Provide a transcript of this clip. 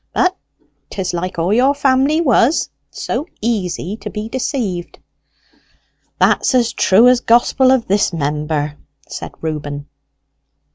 But 'tis like all your family was, so easy to be deceived." "That's as true as gospel of this member," said Reuben.